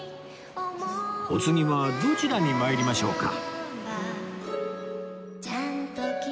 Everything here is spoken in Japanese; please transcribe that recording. お次はどちらに参りましょうか？